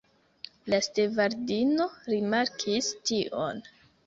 La stevardino rimarkis tion.